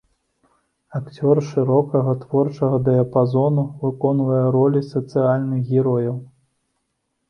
Акцёр шырокага творчага дыяпазону, выконвае ролі сацыяльных герояў.